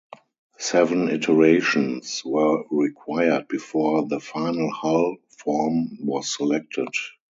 Seven iterations were required before the final hull form was selected.